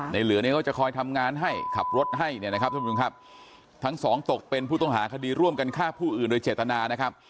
ในเหลือนี้เขาจะคอยทำงานให้ขับรถให้ทั้งสองตกเป็นผู้ต้องหาคดีร่วมกันฆ่าผู้อื่นโดยเจตนา